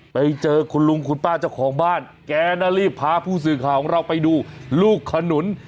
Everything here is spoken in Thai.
ไปเจอคุณลุงคุณป้าเจ้าของบ้านแกนะรีบพาผู้สื่อข่าวของเราไปดูลูกขนุน